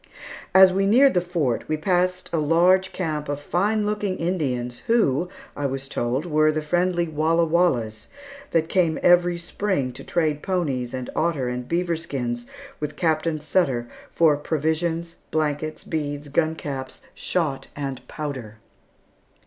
As we neared the Fort we passed a large camp of fine looking Indians who, I was told, were the friendly Walla Wallas, that came every spring to trade ponies, and otter, and beaver skins with Captain Sutter for provisions, blankets, beads, gun caps, shot, and powder.